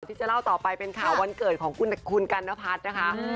ที่จะเล่าต่อไปเป็นข่าววันเกิดของคุณกันนพัฒน์นะคะ